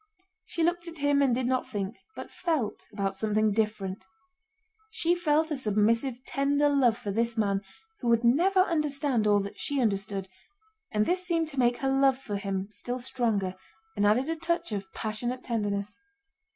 She looked at him and did not think, but felt, about something different. She felt a submissive tender love for this man who would never understand all that she understood, and this seemed to make her love for him still stronger and added a touch of passionate tenderness.